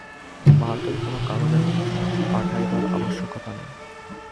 ভারতের কোন কাগজ আর পাঠাইবার আবশ্যকতা নাই।